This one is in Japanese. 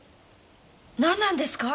何なんですか？